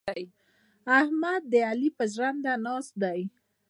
احمد د علي پر ژرنده ناست دی.